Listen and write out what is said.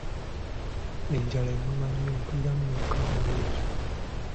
Enjala ennuma nnyo mpuliramu ne kamunguluze.